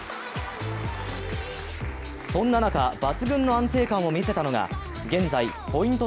そんな中抜群の安定感を見せたのは現在ポイント